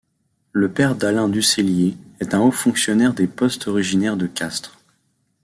Le père d'Alain Ducellier est un haut fonctionnaire des postes originaire de Castres.